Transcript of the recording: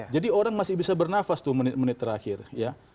jadi orang masih bisa bernafas tuh menit menit terakhir ya